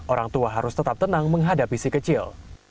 orang tua harus tetap tenang menghadapi si kecil